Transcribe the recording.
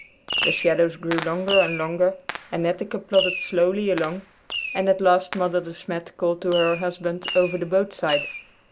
The shadows grew longer and longer as Netteke plodded slowly along, and at last Mother De Smet called to her husband over the boatside.